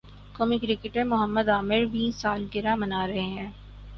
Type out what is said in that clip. قومی کرکٹر محمد عامر ویں سالگرہ منا رہے ہیں